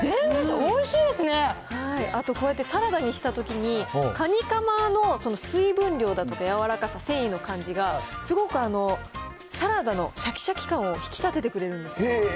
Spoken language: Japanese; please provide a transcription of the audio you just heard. あとこうやってサラダにしたときに、かにかまの水分量だとか柔らかさ、繊維の感じが、すごくサラダのしゃきしゃき感を引き立ててくれるんですよ。